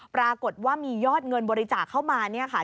ปรากฏว่ามียอดเงินบริจาคเข้ามา